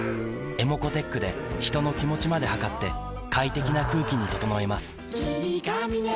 ｅｍｏｃｏーｔｅｃｈで人の気持ちまで測って快適な空気に整えます